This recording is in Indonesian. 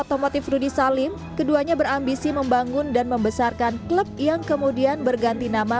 otomotif rudy salim keduanya berambisi membangun dan membesarkan klub yang kemudian berganti nama